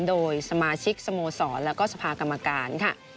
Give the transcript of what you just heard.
โดยสมาชิกสโมสรแล้วก็สภากรรมการค่ะ